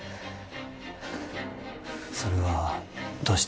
それはどうして？